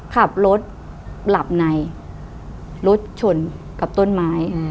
ขับรถหลับในรถชนกับต้นไม้